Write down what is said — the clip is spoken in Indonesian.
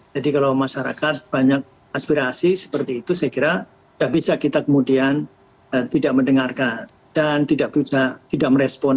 jadi kalau masyarakat banyak aspirasi seperti itu saya kira tidak bisa kita kemudian tidak mendengarkan dan tidak bisa tidak merespon